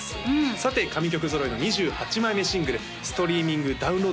さて神曲揃いの２８枚目シングルストリーミングダウンロード